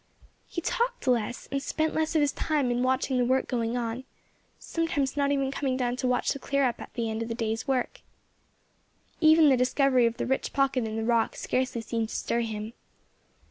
He talked less, and spent less of his time in watching the work going on, sometimes not even coming down to watch the clear up at the end of the day's work. Even the discovery of the rich pocket in the rock scarcely seemed to stir him.